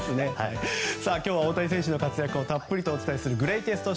今日は大谷選手の活躍をたっぷりとお伝えするグレイテスト